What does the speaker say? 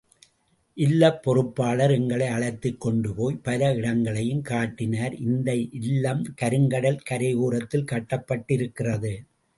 இல்லப் பொறுப்பாளர், எங்களை அழைத்துக் கொண்டு போய் பல இடங்களையும் காட்டினார் இந்த இல்லம் கருங்கடல் கரையோரத்தில் கட்டப்பட்டிருக்கிறது.